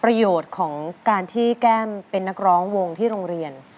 ประโยชน์ของการที่แก้มเป็นนักร้องวงที่โรงเรียน